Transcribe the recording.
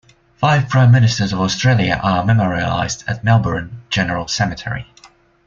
Five Prime Ministers of Australia are memorialised at Melbourne General Cemetery.